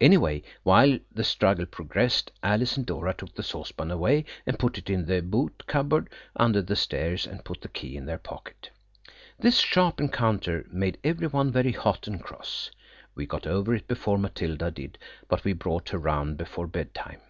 Anyway, while the struggle progressed, Alice and Dora took the saucepan away and put it in the boot cupboard under the stairs and put the key in their pocket. This sharp encounter made every one very hot and cross. We got over it before Matilda did, but we brought her round before bedtime.